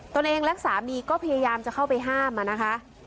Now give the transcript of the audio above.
ตัวเองและสามีก็พยายามจะเข้าไปห้ามนะคะ